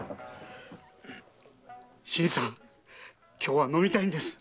新さん今日は飲みたいんです思いっきり！